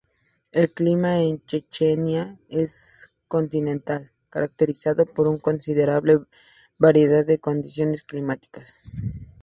El clima en Chechenia es continental, caracterizado por una considerable variedad de condiciones climáticas.